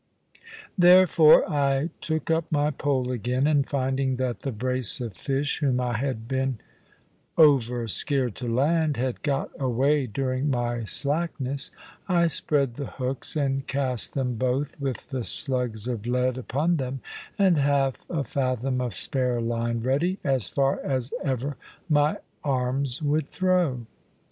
Therefore I took up my pole again, and finding that the brace of fish whom I had been over scared to land had got away during my slackness, I spread the hooks, and cast them both, with the slugs of lead upon them, and half a fathom of spare line ready, as far as ever my arms would throw.